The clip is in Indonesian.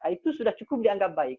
itu sudah cukup dianggap baik